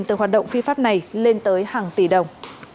từ hoạt động phi pháp này lên tới hàng tỷ đồng